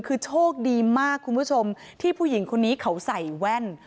คือโชคดีมากคุณผู้ชมที่ผู้หญิงคนนี้เขาใส่แว่น